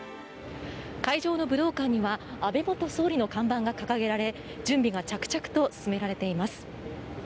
会場の武道館には安倍元総理の看板が掲げられ準備が着々と進められています。